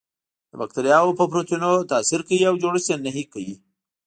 د باکتریاوو په پروتینونو تاثیر کوي او جوړښت یې نهي کوي.